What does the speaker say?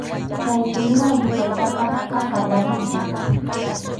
Chay simiwan yupaytaqa qallarinchik.